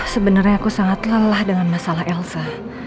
sebenarnya aku sangat lelah dengan masalah elsa